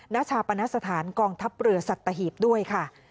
ชาปณสถานกองทัพเรือสัตหีบด้วยค่ะ